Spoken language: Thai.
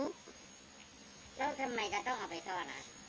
แล้วทำไมก็ต้องเอาไปซ่อน